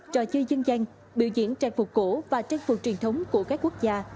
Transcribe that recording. trò chơi dân gian biểu diễn trang phục cổ và trang phục truyền thống của các quốc gia